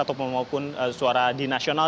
ataupun maupun suara di nasional